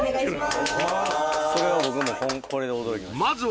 それは僕もこれで驚きました